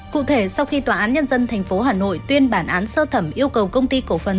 cụ thể sau khi tòa án nhân dân tp hà nội tuyên bản án sơ thẩm yêu cầu công ty cổ phần